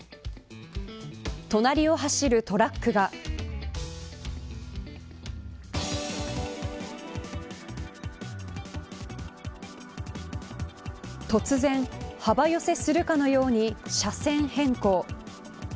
隣を走るトラックが突然、幅寄せするかのように車線変更。